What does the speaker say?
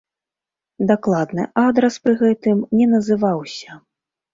Дакладны адрас пры гэтым не называўся.